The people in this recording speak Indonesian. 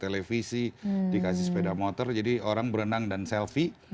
dikasih sofa dikasih televisi dikasih sepeda motor jadi orang berenang dan selfie